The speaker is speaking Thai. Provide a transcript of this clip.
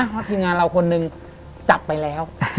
เพราะทีมงานเราคนหนึ่งจับไปแล้ว